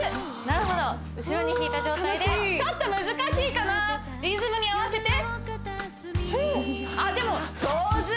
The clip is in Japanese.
なるほど後ろに引いた状態でちょっと難しいかなリズムに合わせてあっでも上手！